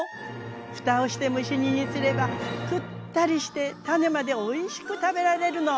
⁉ふたをして蒸し煮にすればくったりして種までおいしく食べられるの。